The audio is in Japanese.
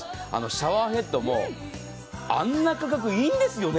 シャワーヘッドもあんな価格、いいんですよね。